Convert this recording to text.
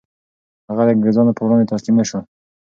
هغه د انګریزانو په وړاندې تسلیم نه شو.